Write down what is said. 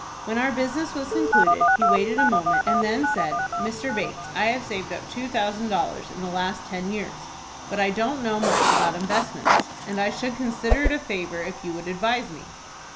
When our business was concluded, he waited a moment, and then said, 'Mr. Bates, I have saved up two thousand dollars in the last ten years, but I don't know much about investments, and I should consider it a favor if you would advise me.'